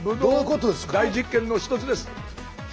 大実験の一つです。